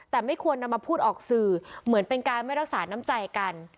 แต่ไม่ควรนำมาพูดออกสื่อเหมือนเป็นการไม่รักษาน้ำใจกัน